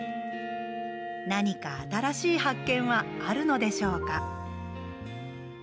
何か新しい発見はあるのでしょうか？